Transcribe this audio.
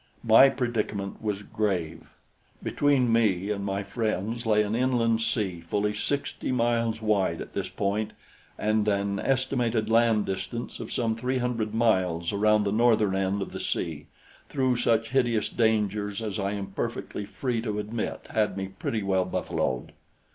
My predicament was grave. Between me and my friends lay an inland sea fully sixty miles wide at this point and an estimated land distance of some three hundred miles around the northern end of the sea, through such hideous dangers as I am perfectly free to admit had me pretty well buffaloed.